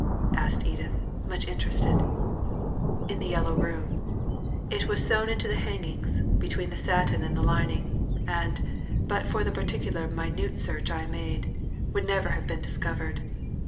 asked Edith, much interested In the Yellow Room. It was sewn into the hang ings, between the satin and the lining, and, but for the particular minute search I made, would never have been discovered.